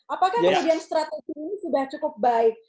apakah kemudian strategi ini sudah cukup baik